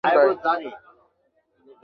নিজের ঘরে চোরের মতো কেন ঢুকছো?